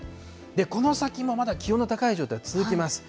この先もまだ気温の高い状態、続きます。